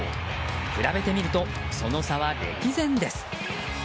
比べてみるとその差は歴然です。